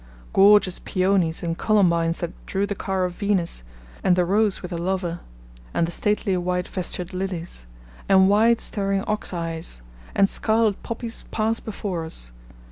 Gorgeous Peonies, and Columbines 'that drew the car of Venus,' and the Rose with her lover, and the stately white vestured Lilies, and wide staring Ox eyes, and scarlet Poppies pass before us.